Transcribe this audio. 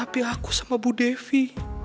pack up yupa